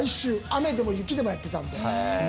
雨でも雪でもやってたんで。